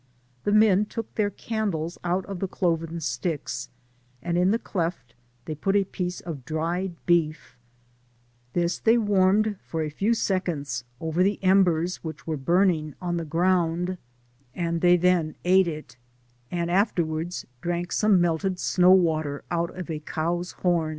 The men took their candles out of the cloven sticks, and in the cleft they put a piece of dried beef; this they warmed for a few seconds over the embers which were burning on the ground, and they then ate it, and afterwards drank some melted snow water out of a cow Vhom.